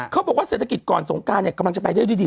เขาบอกว่าเศรษฐกิจกรสงการกำลังจะไปได้ดี